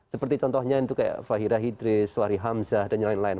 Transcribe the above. seperti contohnya itu kayak fahira hidris fahri hamzah dan lain lain